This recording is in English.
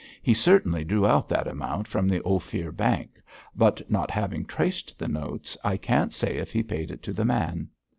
'He certainly drew out that amount from the Ophir Bank, but, not having traced the notes, I can't say if he paid it to the man.'